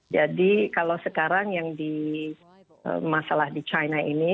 jadi kalau sekarang yang di masalah di china ini